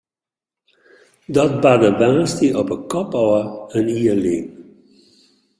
Dat barde woansdei op 'e kop ôf in jier lyn.